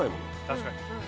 確かに。